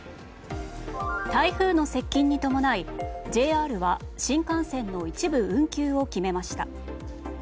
台風の接近に伴いＪＲは新幹線の一部運休を決めました。